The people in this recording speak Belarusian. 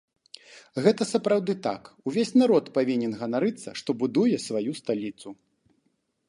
Гэта сапраўды так, увесь народ павінен ганарыцца, што будуе сваю сталіцу.